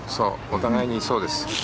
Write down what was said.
お互いにそうです。